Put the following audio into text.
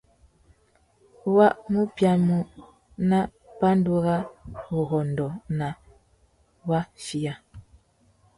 Wa mù biamú nà pandúrâwurrôndô nà yafiya.